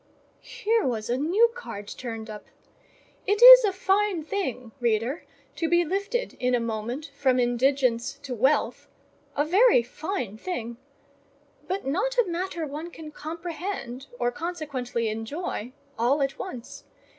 Here was a new card turned up! It is a fine thing, reader, to be lifted in a moment from indigence to wealth—a very fine thing; but not a matter one can comprehend, or consequently enjoy, all at once.